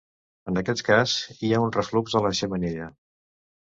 En aquest cas hi ha un reflux a la xemeneia.